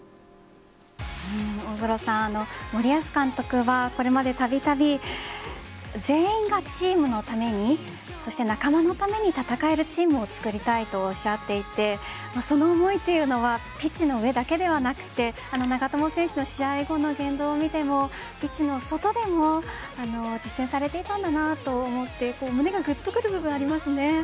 大空さん、森保監督はこれまでたびたび全員がチームのために仲間のために戦えるチームを作りたいとおっしゃっていてその思いというのはピッチの上だけではなくて長友選手の試合後の言動を見てもピッチの外でも実践されていたんだなと思って胸がグッとくる部分がありますね。